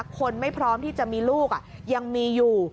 คนไม่พร้อมที่จะมีลูกยังมีอยู่